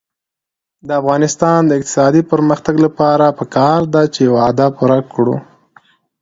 د افغانستان د اقتصادي پرمختګ لپاره پکار ده چې وعده پوره کړو.